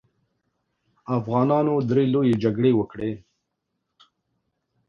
افغانانو درې لويې جګړې وکړې.